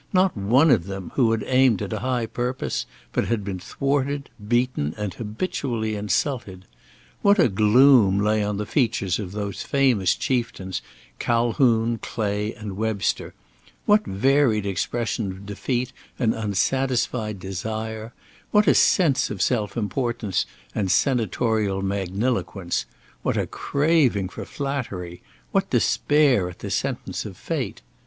Not one of them, who had aimed at high purpose, but had been thwarted, beaten, and habitually insulted! What a gloom lay on the features of those famous chieftains, Calhoun, Clay, and Webster; what varied expression of defeat and unsatisfied desire; what a sense of self importance and senatorial magniloquence; what a craving for flattery; what despair at the sentence of fate!